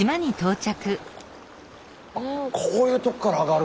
こういうとこから上がるんだ。